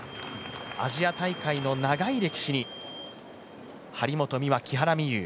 アジア大会の長い歴史に張本美和・木原美悠。